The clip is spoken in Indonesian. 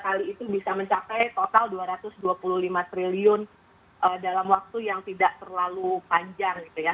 jadi kita bisa melakukan investasi yang dalam waktu yang tidak terlalu panjang